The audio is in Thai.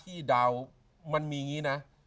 ที่เดามันมีนี้นะ